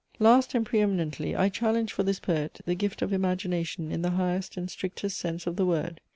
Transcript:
Last, and pre eminently, I challenge for this poet the gift of Imagination in the highest and strictest sense of the word.